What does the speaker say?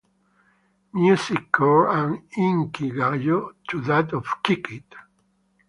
Music Core" and "Inkigayo" to that of "Kick It.